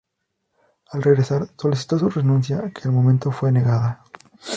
Al regresar, solicitó su renuncia, que al momento fue negada.